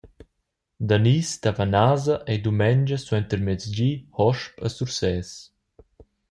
Danis-Tavanasa ei dumengia suentermiezdi hosp a Surses.